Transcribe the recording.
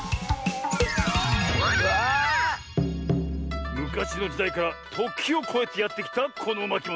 わあ！むかしのじだいからときをこえてやってきたこのまきもの。